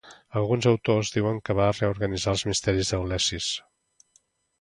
Alguns autors diuen que va reorganitzar els misteris d'Eleusis.